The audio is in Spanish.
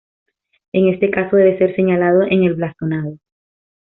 En este caso, debe ser señalado en el blasonado.